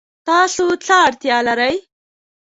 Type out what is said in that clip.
تاسو څه اړتیا لرئ؟